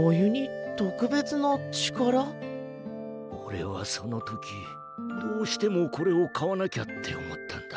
おれはその時どうしてもこれを買わなきゃって思ったんだ。